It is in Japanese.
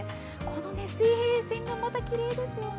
この水平線がまたきれいですね。